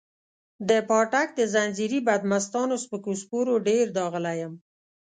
د پاټک د ځنځیري بدمستانو سپکو سپورو ډېر داغلی یم.